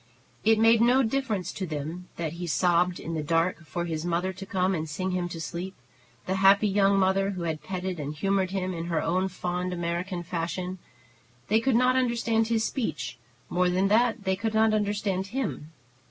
It made no difference to them that he sobbed in the dark for his mother to come and sing him to sleep, the happy young mother who had petted and humored him in her own fond American fashion. They could not understand his speech; more than that, they could not understand him.